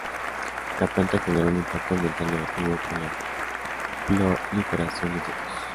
La planta generó un "impacto ambiental negativo", por la proliferación de insectos.